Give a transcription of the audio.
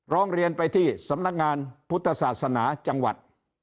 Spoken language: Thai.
ร้องเรียนไปที่สำนักงานพุทธศาสนาจังหวัด